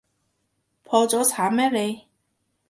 破咗產咩你？